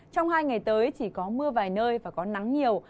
trong hai ngày tới chỉ có mưa vài nơi và có nắng nhiều